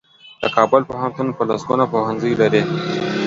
د کابل پوهنتون په لسګونو پوهنځۍ لري.